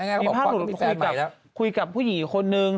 มีภาพหลูดคุยกับผู้หญิงคนหนึ่ง